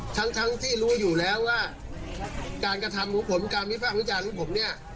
ทั้งทั้งที่รู้อยู่แล้วว่าการกระทำของผมการวิภาควิจารณ์ของผมเนี่ย